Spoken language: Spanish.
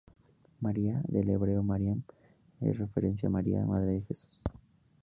María, del hebreo Mariam, en referencia a María, madre de Jesús.